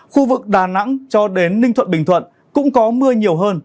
khu vực đà nẵng cho đến ninh thuận bình thuận cũng có mưa nhiều hơn